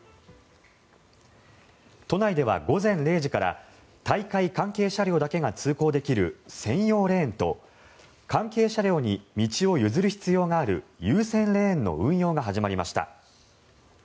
都内では午前０時から大会関係車両だけが通行できる専用レーンと関係車両に道を譲る必要がある優先レーンの運用が始まりました。